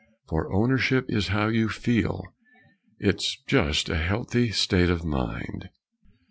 For ownership is how you feel; It's just a healthy state of mind.